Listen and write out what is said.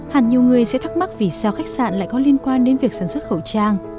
hẳn nhiều người sẽ thắc mắc vì sao khách sạn lại có liên quan đến việc sản xuất khẩu trang